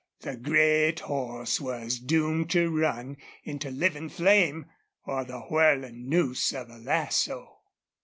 The great horse was doomed to run into living flame or the whirling noose of a lasso.